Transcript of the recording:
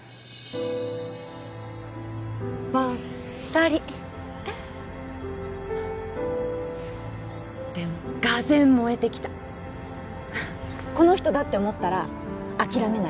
バッサリでもがぜん燃えてきたこの人だって思ったら諦めない